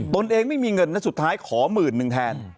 ตนเองไม่มีเงินนะสุดท้ายขอหมื่นหนึ่งแทน